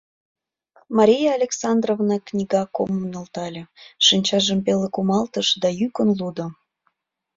Мария Александровна книга комым нӧлтале, шинчажым пеле кумалтыш да йӱкын лудо: